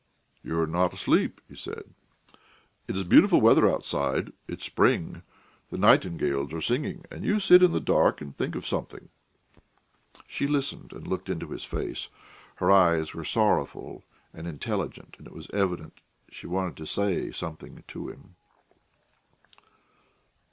"You are not asleep," he said. "It's beautiful weather outside. It's spring. The nightingales are singing, and you sit in the dark and think of something." She listened and looked into his face; her eyes were sorrowful and intelligent, and it was evident she wanted to say something to him.